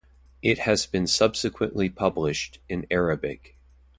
It has been subsequently published in Arabic.